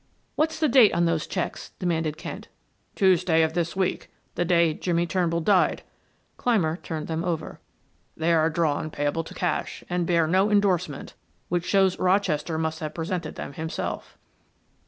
"What's the date on those checks?" demanded Kent. "Tuesday of this week the day Jimmie Turnbull died." Clymer turned them over. "They are drawn payable to cash, and bear no endorsement, which shows Rochester must have presented them himself."